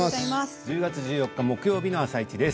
１０月１４日木曜日の「あさイチ」です。